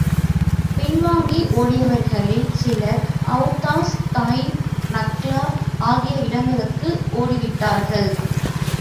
பின் வாங்கி ஓடியவர்களில் சிலர் அவுத்தாஸ், தாயிப், நக்லா ஆகிய இடங்களுக்கு ஓடிவிட்டார்கள்.